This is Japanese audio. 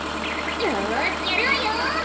よしやるわよ。